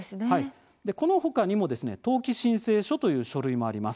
この他にも登記申請書という書類もあります。